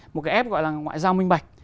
một cái app gọi là ngoại giao minh bạch